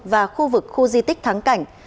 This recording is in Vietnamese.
và khu vực khu di tích thắng cảnh